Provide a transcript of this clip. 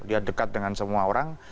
dia dekat dengan semua orang